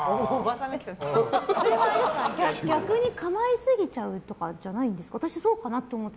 それは逆に構いすぎちゃうとかじゃないんですか？